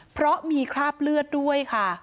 เพราะมีคราบเลือดด้วยค่ะ